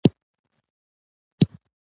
هېڅ حکومت حق نه لري چې د خلکو مالک وي.